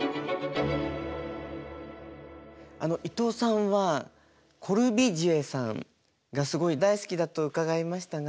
伊東さんはコルビュジエさんがすごい大好きだと伺いましたが。